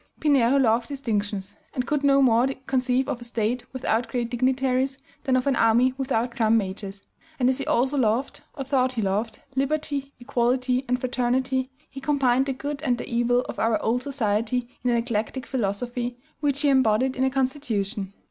Pinheiro loved distinctions, and could no more conceive of a State without great dignitaries than of an army without drum majors; and as he also loved, or thought he loved, liberty, equality, and fraternity, he combined the good and the evil of our old society in an eclectic philosophy which he embodied in a constitution.